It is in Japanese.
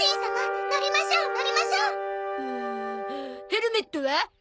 ヘルメットは？